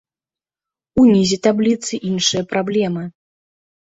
Унізе табліцы іншыя праблемы.